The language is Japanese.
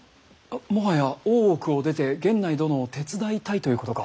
もはや大奥を出て源内殿を手伝いたいということか。